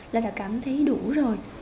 là đã cảm thấy đủ rồi